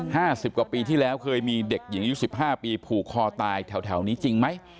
๕๐กว่าปีที่แล้วเคยมีเด็กหญิง๑๕ปีผูกคอตายแถวนี้จริงไหม